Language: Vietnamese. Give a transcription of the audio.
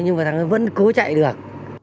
nhưng mà thằng ấy vẫn cố chạy được